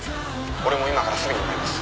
俺も今からすぐに向かいます。